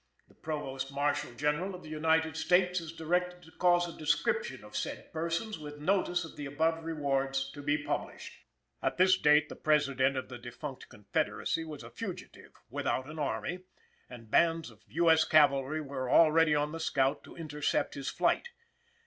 "The Provost Marshal General of the United States is directed to cause a description of said persons, with notice of the above rewards, to be published." At this date the President of the defunct Confederacy was a fugitive, without an army; and bands of U. S. Cavalry were already on the scout to intercept his flight.